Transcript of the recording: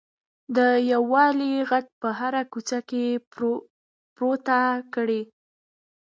د یووالي غږ په هره کوڅه کې پورته کړئ.